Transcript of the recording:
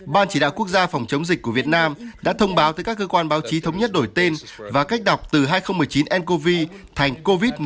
ban chỉ đạo quốc gia phòng chống dịch của việt nam đã thông báo tới các cơ quan báo chí thống nhất đổi tên và cách đọc từ hai nghìn một mươi chín ncov thành covid một mươi chín